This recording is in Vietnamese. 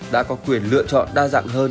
đã có quyền lựa chọn đa dạng hơn